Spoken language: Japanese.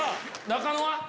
中野は？